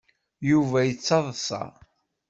Yuba yettaḍsa.